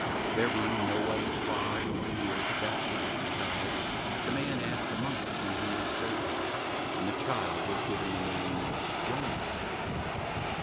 There being no one far nor near to baptize the child, the man asked the monk to do him this service, and the child was given the name of Janni.